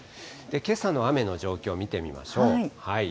けさの雨の状況見てみましょう。